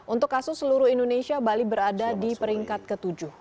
untuk kasus seluruh indonesia bali berada di peringkat ke tujuh